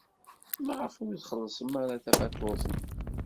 Maɣef ur xellṣen ara tafatuṛt-nni?